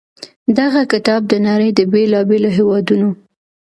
دغه کتاب د نړۍ د بېلا بېلو هېوادونو